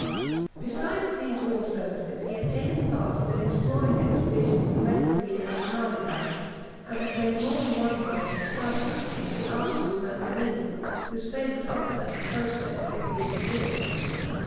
Besides these war services he had taken part in an exploring expedition in the Red Sea and Somaliland, and he had made more than one voyage as staff captain to the Archduke Maximilian, whose favourite officer and close friend he had been for years.